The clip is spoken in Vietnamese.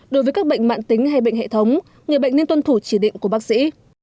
đối với các bệnh mạng tính hay bệnh hệ thống người bệnh nên tuân thủ chỉ định của bác sĩ